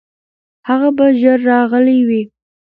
هغه به ژر راغلی وي.